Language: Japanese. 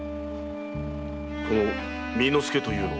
この巳之助というのは？